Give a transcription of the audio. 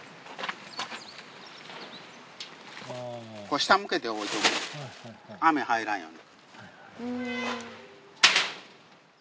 下向けて置いとく雨入らんように。